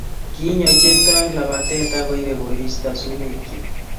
Kinyo chepto eng lapatet ak koipe koristo sumekchi